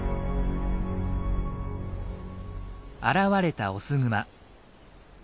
現れたオスグマ。